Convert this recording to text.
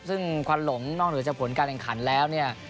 ซึ่งควันหลงนอกเหนือจากผลการแข่งขันแล้วเนี่ย